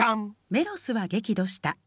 ・「メロスは激怒した。